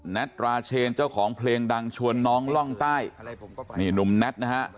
ตราเชนเจ้าของเพลงดังชวนน้องล่องใต้นี่หนุ่มแน็ตนะฮะ